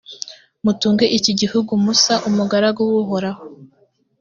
mutunge iki gihugu musa, umugaragu w’uhoraho,